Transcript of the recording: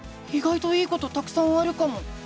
いがいといいことたくさんあるかも！